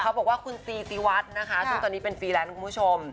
บอกว่าคุณซีซีวัดนะคะซึ่งตอนนี้เป็นฟรีแลนซ์คุณผู้ชม